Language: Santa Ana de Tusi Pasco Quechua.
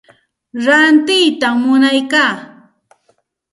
Rantiytam munaya.